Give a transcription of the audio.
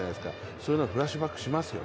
そういうのがフラッシュバックしますよ。